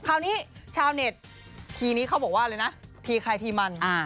คราวนี้ชาวเน็ตทีนี้เป็นทีใครทีมันครับ